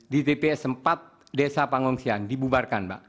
di tps empat desa pangongsian dibubarkan pak